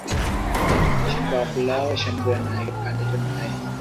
ฉันบอกคุณแล้วว่าฉันเบื่อหน่ายกับการผจญภัย